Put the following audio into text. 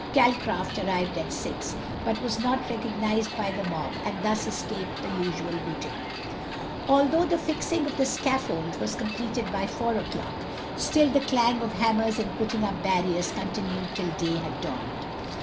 Calcraft arrived at six, but was not recognised by the mob, and thus escaped the usual hooting. Although the fixing of the scaffold was completed by four o'clock, still the clang of hammers in putting up barriers continued till day had dawned.